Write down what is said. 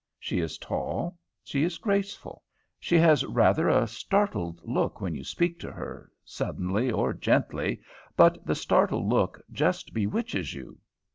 She is tall; she is graceful; she has rather a startled look when you speak to her, suddenly or gently, but the startled look just bewitches you.